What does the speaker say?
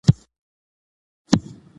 نوښت پرمختګ ته لار هواروي.